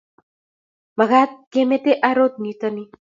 Makat kemete arot nito ni